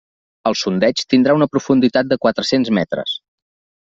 El sondeig tindrà una profunditat de quatre-cents metres.